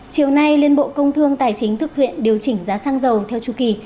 chiều nay liên bộ công thương tài chính thực hiện điều chỉnh giá xăng dầu theo chu kỳ